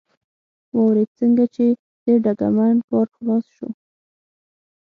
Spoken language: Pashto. واورېد، څنګه چې د ډګرمن کار خلاص شو.